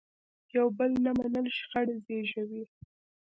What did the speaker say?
یو بل نه منل شخړې زیږوي.